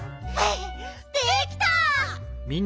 できた！